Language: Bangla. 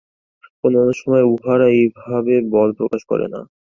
অন্যান্য সময়ে উহারা ঐভাবে বল প্রকাশ করে না।